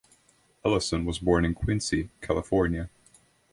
Ellison was born in Quincy, California.